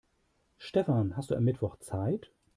Stefan, hast du am Mittwoch Zeit?